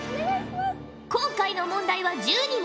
今回の問題は１２問